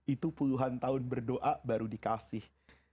itu puluhan tahun berdoa baru dikasih